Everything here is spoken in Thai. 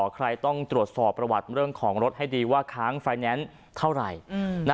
ใครต้องตรวจสอบประวัติเรื่องของรถให้ดีว่าค้างไฟแนนซ์เท่าไหร่